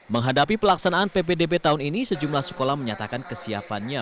menghadapi pelaksanaan ppdb tahun ini sejumlah sekolah menyatakan kesiapannya